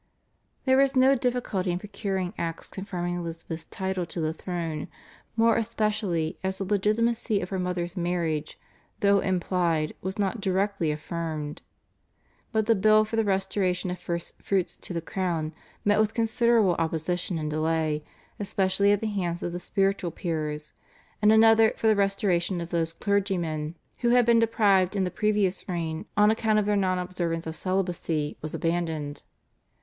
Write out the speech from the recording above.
There was no difficulty in procuring acts confirming Elizabeth's title to the throne, more especially as the legitimacy of her mother's marriage though implied was not directly affirmed, but the bill for the restoration of First Fruits to the crown met with considerable opposition and delay, especially at the hands of the spiritual peers, and another for the restoration of those clergymen who had been deprived in the previous reign on account of their non observance of celibacy was abandoned.